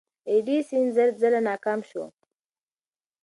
ایډیسن زر ځله ناکام شو.